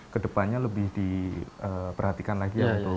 kedepannya lebih diperhatikan lagi untuk masyarakat di sini